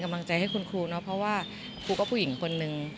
กำลังใจให้คุณครูเนาะเพราะว่าครูก็ผู้หญิงคนนึง